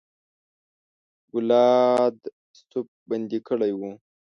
ګلادسوف بندي کړی وو.